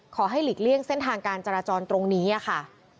หลีกเลี่ยงเส้นทางการจราจรตรงนี้ค่ะ